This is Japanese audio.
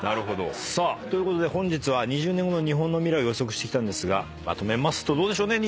さあということで本日は２０年後の日本の未来を予測してきたんですがまとめますとどうでしょうね？